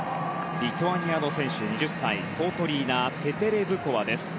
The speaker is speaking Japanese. リトアニアの選手、２０歳コートリーナ・テテレブコワ。